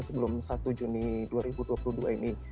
sebelum satu juni dua ribu dua puluh dua ini